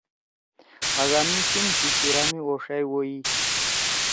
ہاگا می سُم سی شیِرا می اوݜأئی وئی۔